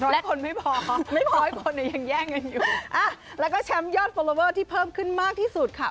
และคนไม่พอไม่พอให้คนเนี่ยยังแย่งกันอยู่แล้วก็แชมป์ยอดฟอลลอเวอร์ที่เพิ่มขึ้นมากที่สุดค่ะ